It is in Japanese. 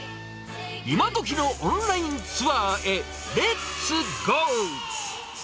今どきのオンラインツアーへ、レッツゴー。